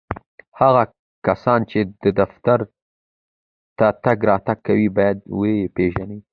هغه کسان چي و دفتر ته تګ راتګ کوي ، باید و یې پېژني